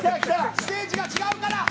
ステージが違うから！